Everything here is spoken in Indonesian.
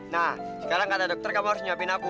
nah sekarang kata dokter kamu harus nyiapin aku